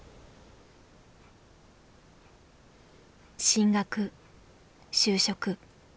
進学就職。